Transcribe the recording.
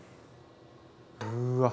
うわ！